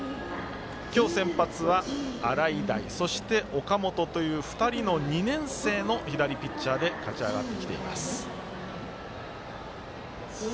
今日、先発は洗平そして、岡本という２人の２年生のピッチャーで勝ち上がってきています。